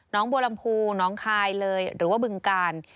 น้องบัวลำพูน้องคายเลยหรือว่าบึงกาล